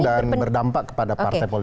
dan berdampak kepada para